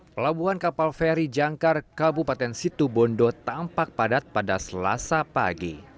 pelabuhan kapal feri jangkar kabupaten situbondo tampak padat pada selasa pagi